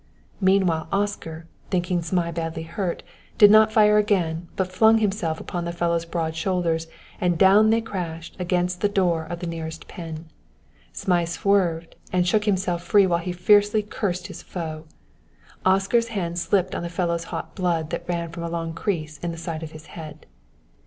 Meanwhile Oscar, thinking Zmai badly hurt, did not fire again, but flung himself upon the fellow's broad shoulders and down they crashed against the door of the nearest pen. Zmai swerved and shook himself free while he fiercely cursed his foe. Oscar's hands slipped on the fellow's hot blood that ran from a long crease in the side of his head.